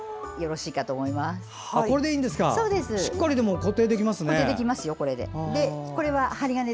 しっかり固定できますね。